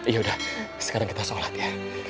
yaudah sekarang kita sholat ya